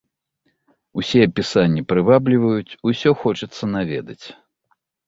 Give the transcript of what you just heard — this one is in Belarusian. Усе апісанні прывабліваюць, усё хочацца наведаць.